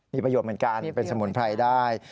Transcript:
มีประโยชน์เหมือนกันเป็นสมุนไพรได้